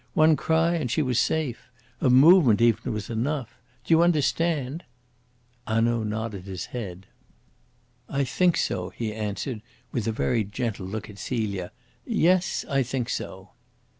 One cry and she was safe. A movement even was enough. Do you understand?" Hanaud nodded his head. "I think so," he answered, with a very gentle look at Celia. "Yes, I think so."